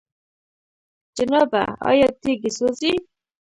جنابه! آيا تيږي سوزي؟